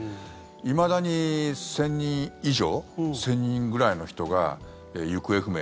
いまだに１０００人以上１０００人ぐらいの人が行方不明。